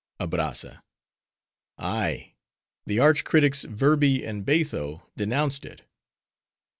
ABRAZZA—Ay: the arch critics Verbi and Batho denounced it.